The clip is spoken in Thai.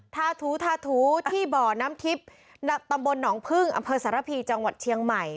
ทาถูทาถูที่บ่อน้ำทิพย์ตำบลหนองพึ่งอำเภอสารพีจังหวัดเชียงใหม่